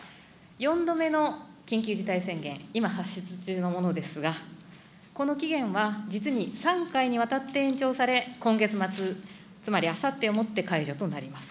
４度目の緊急事態宣言、今、発出中のものですが、この期限は実に３回にわたって延長され、今月末、つまりあさってをもって解除となります。